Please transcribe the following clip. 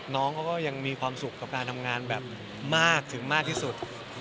น้องเขาก็ยังมีความสุขกับการทำงานแบบมากถึงมากที่สุด